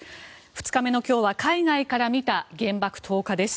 ２日目の今日は海外から見た原爆投下です。